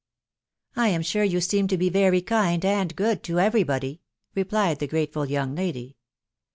"" I am sure you seem to be very kind and good to every body," replied the grateful young lady.